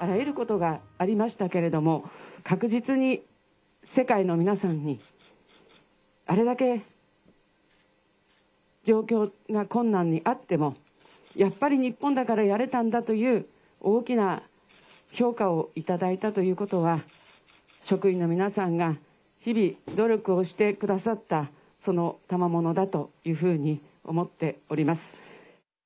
あらゆることがありましたけれども、確実に世界の皆さんに、あれだけ状況が困難にあっても、やっぱり日本だからやれたんだという大きな評価を頂いたということは、職員の皆さんが日々、努力をしてくださった、その賜物だというふうに思っております。